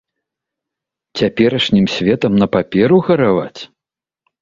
Цяперашнім светам на паперу гараваць?